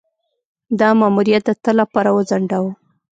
دا ماموریت د تل لپاره وځنډاوه.